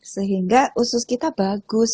sehingga usus kita bagus